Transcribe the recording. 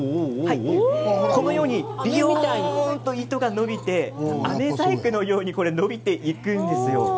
びよんと糸が伸びてあめ細工のように伸びていくんですよ。